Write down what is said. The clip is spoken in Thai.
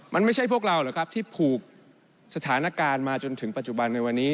มันไม่ใช่พวกเราหรือครับที่ผูกสถานการณ์มาจนถึงปัจจุบันในวันนี้